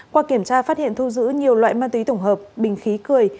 qua kiểm tra phát hiện thu giữ nhiều loại ma túy tổng hợp bình khí cười